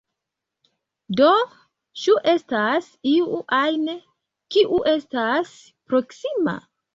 Do, ĉu estas iu ajn, kiu estas proksima?